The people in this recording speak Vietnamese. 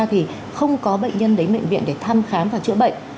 thì không có bệnh nhân đến bệnh viện để thăm khám và chữa bệnh